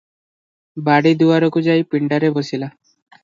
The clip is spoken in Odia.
ବାଡ଼ି ଦୁଆରକୁ ଯାଇ ପିଣ୍ଡାରେ ବସିଲା ।